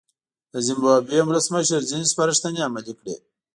د زیمبابوې ولسمشر ځینې سپارښتنې عملي کړې.